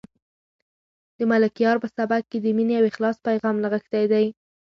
د ملکیار په سبک کې د مینې او اخلاص پیغام نغښتی دی.